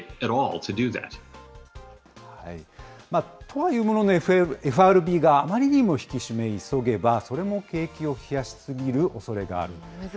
とは言うものの、ＦＲＢがあまりにも引き締めを急げば、それも景気を冷やし過ぎるおそれがあると。